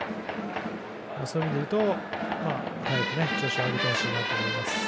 そういう意味で言うと調子を上げてほしいなと思います。